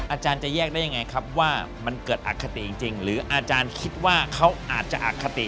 อาจารย์จะแยกได้ยังไงครับว่ามันเกิดอคติจริงหรืออาจารย์คิดว่าเขาอาจจะอคติ